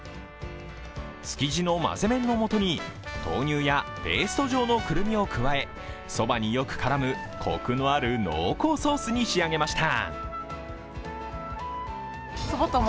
築地のまぜ麺の素に、豆乳やペースト状のクルミを加え、そばによく絡む、こくのある濃厚ソースに仕上げました。